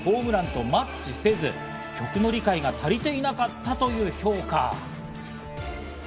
ＨＯＭＥ；ＲＵＮ』とマッチせず、曲の理解が足りていなかったという評価。